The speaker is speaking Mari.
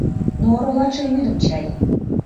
Но оролатше йӱдым чай...